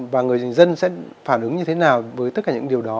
và người dân sẽ phản ứng như thế nào với tất cả những điều đó